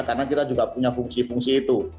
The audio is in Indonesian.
karena kita juga punya fungsi fungsi itu